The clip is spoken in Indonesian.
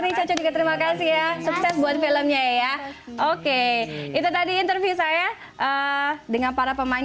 ini cocok juga terima kasih ya sukses buat filmnya ya oke itu tadi interview saya dengan para pemain